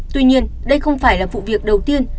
tuy nhiên đây không phải là vụ việc đầu tiên